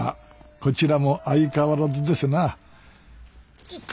こちらも相変わらずですな痛っ！